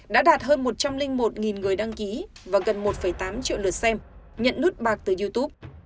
đã đạt hơn một trăm linh một người đăng ký và gần một tám triệu lượt xem nhận nút bạc từ youtube